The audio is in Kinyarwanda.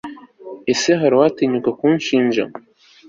ese hari uwatinyuka kunshinja